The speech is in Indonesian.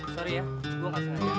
sorry ya gue gak sengaja